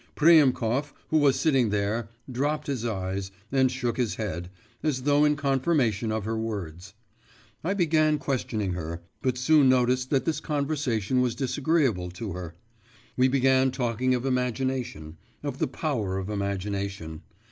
Priemkov, who was sitting there, dropped his eyes, and shook his head, as though in confirmation of her words. I began questioning her, but soon noticed that this conversation was disagreeable to her. We began talking of imagination, of the power of imagination.